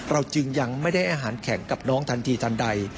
จึงยังไม่ได้อาหารแข็งกับน้องทันทีทันใด